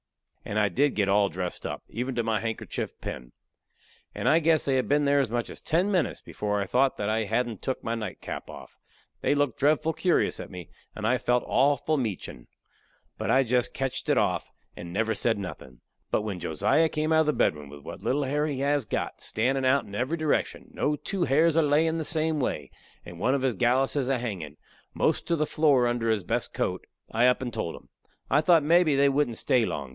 And I did get all dressed up, even to my handkerchief pin. And I guess they had been there as much as ten minutes before I thought that I hadn't took my nightcap off. They looked dreadful curious at me, and I felt awful meachin'. But I jest ketched it off, and never said nothin'. But when Josiah come out of the bedroom with what little hair he has got standin' out in every direction, no two hairs a layin' the same way, and one of his galluses a hangin' most to the floor under his best coat, I up and told 'em. I thought mebby they wouldn't stay long.